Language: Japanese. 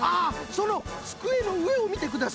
そのつくえのうえをみてくだされ。